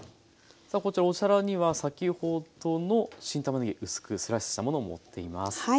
さあこちらお皿には先ほどの新たまねぎ薄くスライスしたものを盛っています。